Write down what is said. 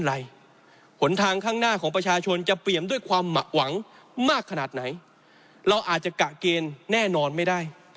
เราอาจจะกะเกณฑ์แน่นอนไม่ได้